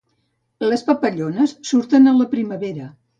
Les papallones surten a la primavera.